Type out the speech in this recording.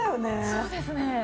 そうですね。